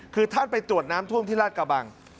คือท่านไปตรวจน้ำท่วมที่ราชกระบัง